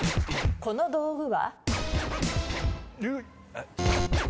この道具は？